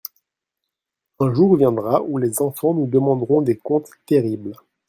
Un jour viendra où les enfants nous demanderont des comptes terribles.